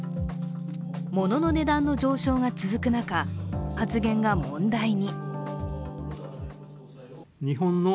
物の値段の上昇が続く中発言が問題に。